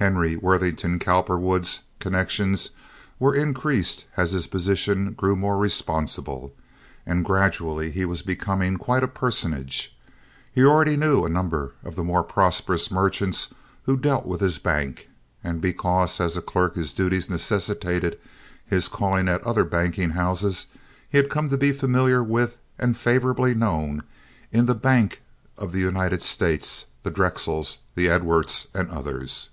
Henry Worthington Cowperwood's connections were increased as his position grew more responsible, and gradually he was becoming quite a personage. He already knew a number of the more prosperous merchants who dealt with his bank, and because as a clerk his duties necessitated his calling at other banking houses, he had come to be familiar with and favorably known in the Bank of the United States, the Drexels, the Edwards, and others.